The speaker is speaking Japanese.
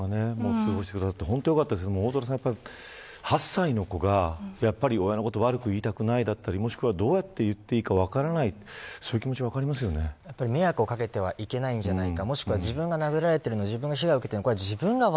今回お医者さんが通報してくださって本当によかったですけど大空さん８歳の子が、親のことを悪く言いたくない、だったりもしくはどうやって言っていか分からない迷惑を掛けてはいけないんじゃないか。